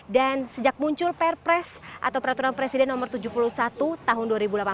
dan sejak muncul perpres atau peraturan presiden no tujuh puluh satu tahun dua ribu delapan belas